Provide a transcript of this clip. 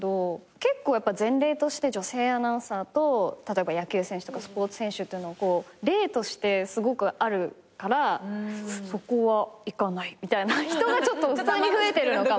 結構前例として女性アナウンサーと例えば野球選手とかスポーツ選手っていうの例としてすごくあるからそこはいかないみたいな人がちょっと増えてるのかも。